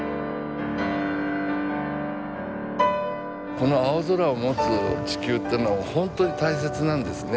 この青空を持つ地球というのは本当に大切なんですね。